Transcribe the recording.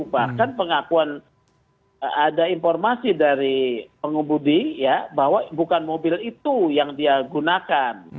bahkan pengakuan ada informasi dari pengemudi ya bahwa bukan mobil itu yang dia gunakan